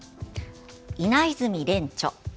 稲泉連著。